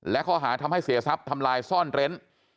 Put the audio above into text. และข้อหาทำให้เสียทรัพย์ทำลายซ่อนเร้น